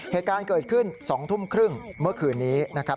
เหตุการณ์เกิดขึ้น๒ทุ่มครึ่งเมื่อคืนนี้นะครับ